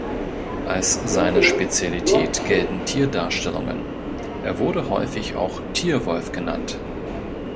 Als seine Spezialität gelten Tierdarstellungen, er wurde häufig auch "Tier-Wolff" genannt.